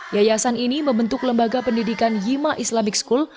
yayasan ini membentuk lembaga pendidikan yima islamic school